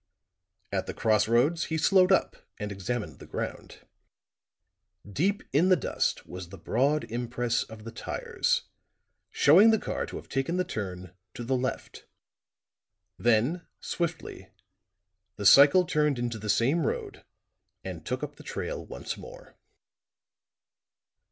At the cross roads he slowed up and examined the ground. Deep in the dust was the broad impress of the tires, showing the car to have taken the turn to the left. Then swiftly the cycle turned into the same road and took up the trail once more.